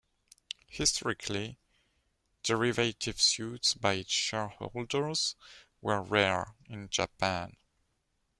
Historically, derivative suits by shareholders were rare in Japan.